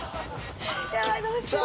ヤバいどうしよう。